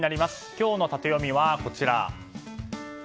今日のタテヨミはこちら。